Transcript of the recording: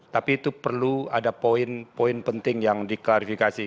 tapi itu perlu ada poin poin penting yang diklarifikasi